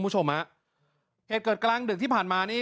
เหตุเกิดกลางเดือนที่ผ่านหาแรง